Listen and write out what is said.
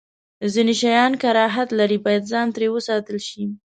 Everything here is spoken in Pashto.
ځینې شیان کراهت لري، باید ځان ترې وساتل شی.